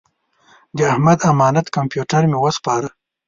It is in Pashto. د احمد امانت کمپیوټر مې وسپاره.